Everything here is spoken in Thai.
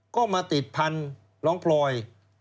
ก็มาติดพันธุ์น้องพลอย